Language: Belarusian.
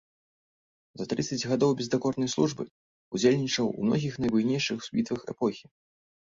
За трыццаць гадоў бездакорнай службы ўдзельнічаў у многіх найбуйнейшых бітвах эпохі.